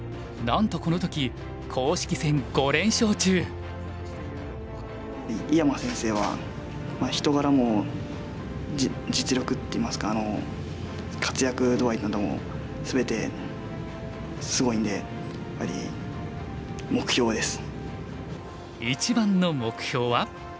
なんとこの時井山先生は人柄も実力っていいますか活躍度合いなども全てすごいんでやっぱり目標です。